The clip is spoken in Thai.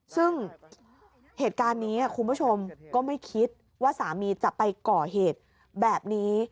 ซึ่งเหตุการณ์นี้คุณผู้ชมก็ไม่คิดว่าสามีจะไปก่อเหตุแบบนี้